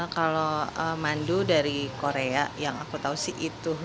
kalau mandu dari korea yang aku tahu sih itu